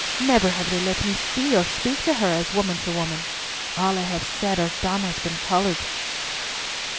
Never have they let me see or speak to her as woman to woman. All I have said or done has been coloured."